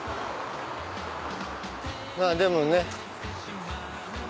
まぁでもね。